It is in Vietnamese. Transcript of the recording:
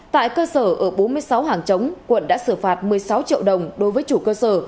tại cơ sở ở bốn mươi sáu hàng chống quận đã xử phạt một mươi sáu triệu đồng đối với chủ cơ sở